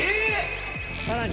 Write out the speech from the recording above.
さらに！